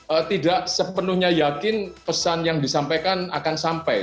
saya tidak sepenuhnya yakin pesan yang disampaikan akan sampai